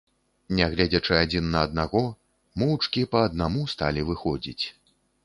Не гледзячы адзін на аднаго, моўчкі, па аднаму, сталі выходзіць.